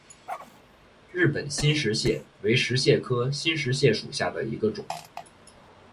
日本新石蟹为石蟹科新石蟹属下的一个种。